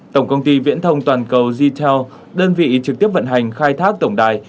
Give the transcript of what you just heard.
tổng công ty viễn thông toàn cầu gtel đơn vị trực tiếp vận hành khai thác tổng đài